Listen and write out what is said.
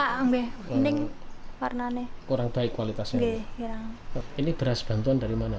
yang lebih mening warna nek orang baik kualitasnya ini beras bantuan dari mana